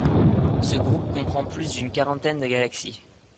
Ce groupe comprend plus d'une quarantaine de galaxies.